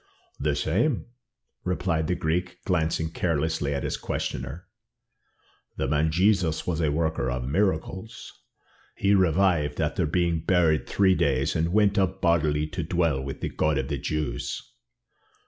"The same," replied the Greek, glancing carelessly at his questioner. "The man Jesus was a worker of miracles. He revived after being buried three days, and went up bodily to dwell with the God of the Jews."